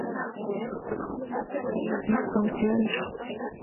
Ӱстелтӧрыш шич!